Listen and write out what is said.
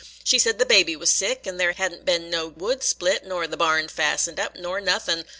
She said the baby was sick, and there had n't been no wood split, nor the barn fastened up, nor nothin'.